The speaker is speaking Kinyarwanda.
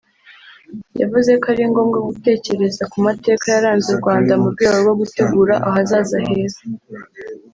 yavuze ko ari ngombwa gutekereza ku mateka yaranze u Rwanda mu rwego rwo gutegura ahazaza heza